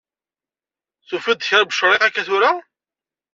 Tufiḍ-d kra n wecrik akka tura?